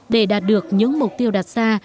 để đạt được những mục tiêu đặt ra